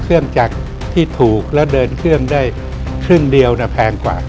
จากที่ถูกแล้วเดินเครื่องได้ครึ่งเดียวแพงกว่า